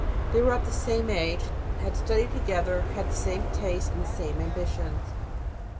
They were of the same age, had studied together, had the same tastes, and the same ambitions.